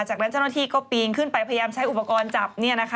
จากด้านเจ้านอที่ก็ปีงขึ้นไปที่จะใช้อุปกรณ์จับ